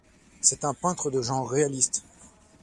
C'est un peintre de genre réaliste.